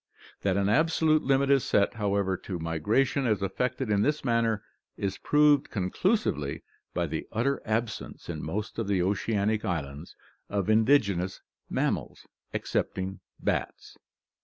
That an absolute limit is set, however, to migration as effected in this manner is proved conclusively by the utter absence in most of the oceanic islands of indigenous mammals, excepting bats."